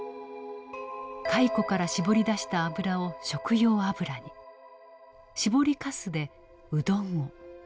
蚕から搾り出した油を食用油に搾りかすでうどんを。